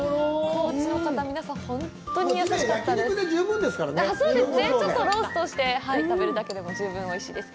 高知の方、皆さん、本当に優しかったです。